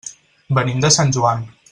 Venim de Sant Joan.